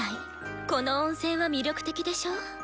この「温泉」は魅力的でしょう？